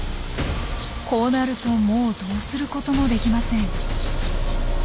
こうなるともうどうすることもできません。